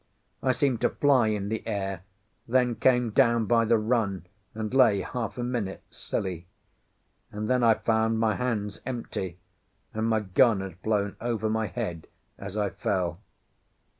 I seemed to fly in the air, then came down by the run and lay half a minute, silly; and then I found my hands empty, and my gun had flown over my head as I fell.